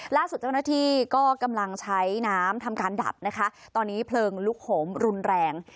ล่าสุดเท่านั้นที่กำลังใช้น้ำทำการดับนะคะ